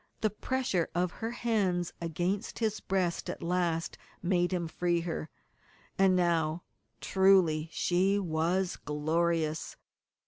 The pressure of her hands against his breast at last made him free her. And now, truly, she was glorious.